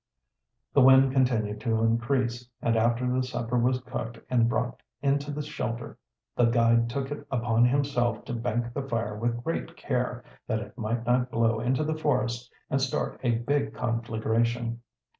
The wind continued to increase, and after the supper was cooked and brought into the shelter, the guide took it upon himself to bank the fire with great care, that it might not blow into the forest and start a big conflagration.